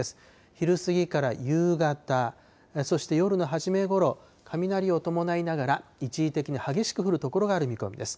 昼過ぎから夕方、そして夜の初めごろ、雷を伴いながら、一時的に激しく降る所がある見込みです。